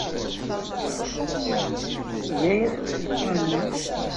Eg aya s uselkim-nnem.